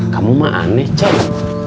kamu mah aneh ceng